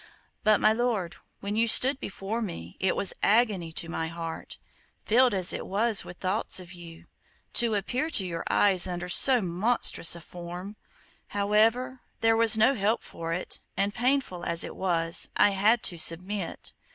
But, my lord, when you stood before me, it was agony to my heart, filled as it was with thoughts of you, to appear to your eyes under so monstrous a form. However, there was no help for it, and, painful as it was, I had to submit.